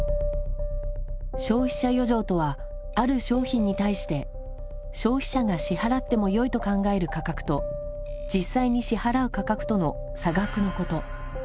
消費者余剰とはある商品に対して消費者が支払ってもよいと考える価格と実際に支払う価格との差額のこと。